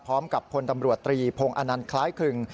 พร้อมกับคนตำรวจตรีพงศอคล้ายคลึง